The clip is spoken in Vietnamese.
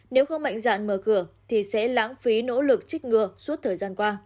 nếu không mạnh dạn mở cửa thì sẽ lãng phí nỗ lực trích ngừa suốt thời gian qua